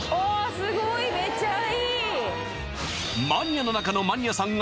すごいめちゃいい！